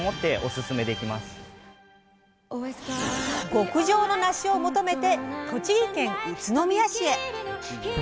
極上のなしを求めて栃木県宇都宮市へ！